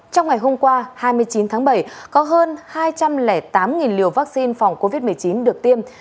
trong ngày hôm qua hai mươi chín tháng bảy có hơn hai trăm linh tám liều vaccine phòng covid một mươi chín được tiêm